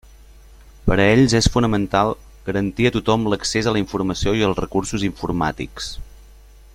Per a ells és fonamental garantir a tothom l'accés a la informació i als recursos informàtics.